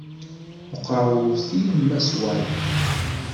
Meqqer urti n mass White.